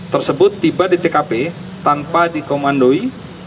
tersebut tiba di tkp tanpa dikomandoi